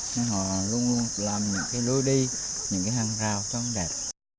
nên họ luôn luôn làm những cái lối đi những cái hăng rào trống đẹp